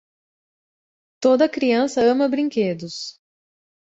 Toda criança ama brinquedos.